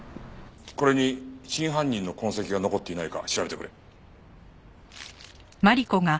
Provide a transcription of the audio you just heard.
これに真犯人の痕跡が残っていないか調べてくれ。